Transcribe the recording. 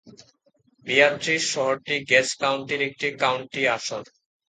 Beatrice শহরটি Gage কাউন্টির একটি কাউন্টি আসন।